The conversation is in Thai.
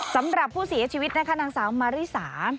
สำหรับผู้เสียชีวิตนะคะนางสาวมาริสา